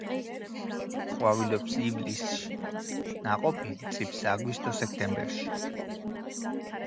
ყვავილობს ივლისში, ნაყოფი მწიფს აგვისტო-სექტემბერში.